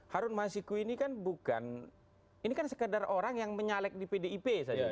harun masiku ini kan bukan ini kan sekadar orang yang menyalek di pdip saja